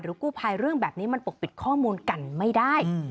กู้ภัยเรื่องแบบนี้มันปกปิดข้อมูลกันไม่ได้